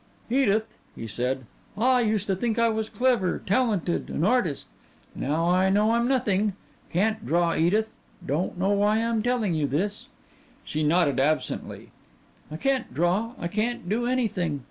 "Edith," he said, "I used to think I was clever, talented, an artist. Now I know I'm nothing. Can't draw, Edith. Don't know why I'm telling you this." She nodded absently. "I can't draw, I can't do anything.